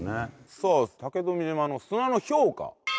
さあ竹富島の砂の評価。